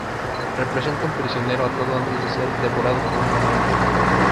Representa a un prisionero atado antes de ser devorado por una leona.